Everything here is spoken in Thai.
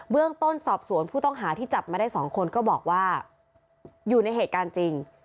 เรื่องต้นสอบสวนผู้ต้องหาที่จับมาได้๒คนก็บอกว่าอยู่ในเหตุการณ์จริง